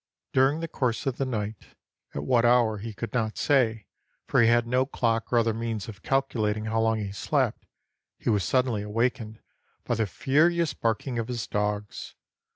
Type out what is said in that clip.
During the course of the night, — at what hour he could not say, for he had no clock or other means of calculating how long he slept, — he was suddenly awakened by the furious barking of his dogs.